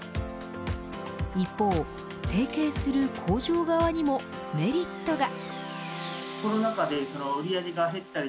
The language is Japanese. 一方、提携する工場側にもメリットが。